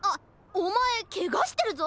おまえケガしてるぞ！